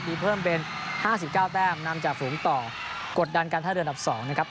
มีเพิ่มเป็น๕๙แต้มนำจากฝูงต่อกดดันการท่าเรืออันดับ๒นะครับ